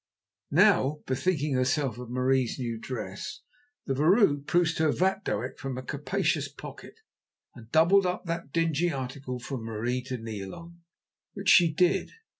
Now, bethinking herself of Marie's new dress, the vrouw produced her vatdoek from a capacious pocket, and doubled up that dingy article for Marie to kneel on, which she did.